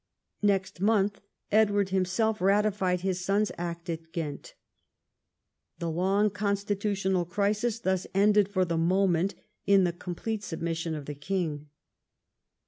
Next month Edward himself ratified his son's act at Ghent. The long constitutional crisis thus ended for the moment in the complete submission of the king.